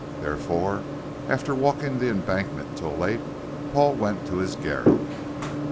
Therefore, after walking the Embankment till late, Paul went to his garret.